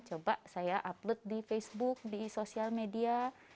coba saya upload di facebook di sosial media